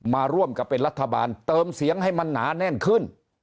มาร่วมกับเป็นรัฐบาลเติมเสียงให้มันหนาแน่นขึ้น